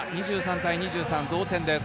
２３対２３、同点です。